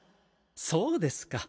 そうですか。